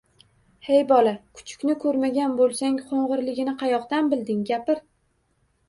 – Hey, bola, kuchukni ko‘rmagan bo‘lsang, qo‘ng‘irligini qayoqdan bilding? Gapir!